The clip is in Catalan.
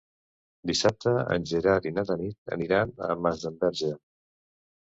Dissabte en Gerard i na Tanit aniran a Masdenverge.